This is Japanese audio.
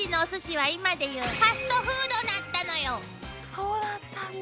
そうだったんだ。